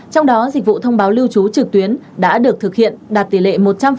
trong đó dịch vụ thông báo lưu trú trực tuyến đã được thực hiện đạt tỷ lệ một trăm linh